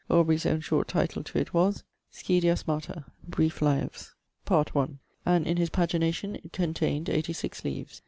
Aubrey's own short title to it was: 'Σχεδιάσματα. Brief Lives, part i.,' and, in his pagination, it contained eighty six leaves.